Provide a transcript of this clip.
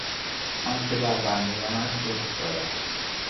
آنکه بر بندگانش لطف دارد